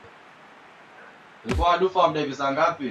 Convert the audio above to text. ya kwanza nikiingia huku mwezi wa tatu walikuwa wananipatia elfu